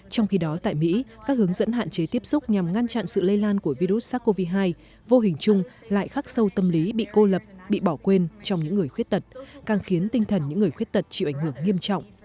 trong khi đó tại mỹ các hướng dẫn hạn chế tiếp xúc nhằm ngăn chặn sự lây lan của virus sars cov hai vô hình chung lại khắc sâu tâm lý bị cô lập bị bỏ quên trong những người khuyết tật càng khiến tinh thần những người khuyết tật chịu ảnh hưởng nghiêm trọng